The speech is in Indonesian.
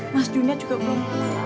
mas junet juga belum pulang